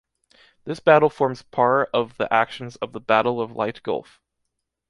This battle forms par of the actions of the Battle of Leyte Gulf.